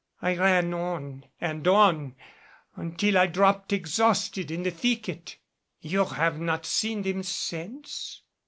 I ran on and on until I dropped exhausted in the thicket." "You have not seen them since?"